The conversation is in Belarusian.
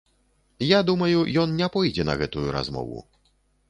Я думаю, ён не пойдзе на гэтую размову.